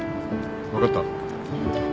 分かった。